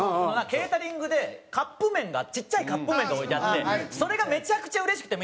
ケータリングでカップ麺がちっちゃいカップ麺が置いてあってそれがめちゃくちゃうれしくて。